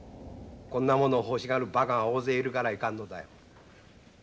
こんな物を欲しがるバカが大勢いるからいかんのだよ。